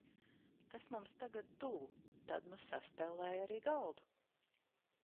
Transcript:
Tas mums tagad tuvu. Tad nu sastelēja arī galdu.